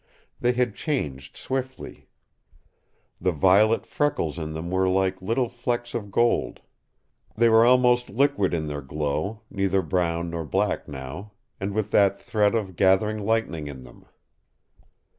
They had changed swiftly. The violet freckles in them were like little flecks of gold. They were almost liquid in their glow, neither brown nor black now, and with that threat of gathering lightning in them.